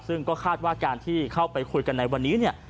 ซึ่งก็คาดว่าการที่เข้าไปคุยกันในวันนี้เนี่ย